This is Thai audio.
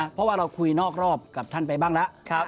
เพราะว่าเราคุยนอกรอบกับท่านไปบ้างแล้ว